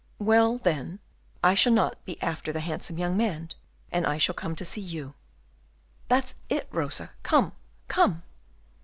"Well, then, I shall not be after the handsome young man, and I shall come to see you." "That's it, Rosa, come! come!"